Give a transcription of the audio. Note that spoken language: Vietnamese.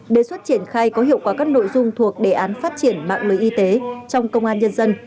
đề xuất triển khai có hiệu quả các nội dung thuộc đề án phát triển mạng lưới y tế trong công an nhân dân